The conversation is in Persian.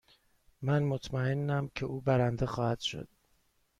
من مطمئنم که او برنده خواهد شد.